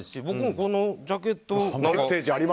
僕もこのジャケット。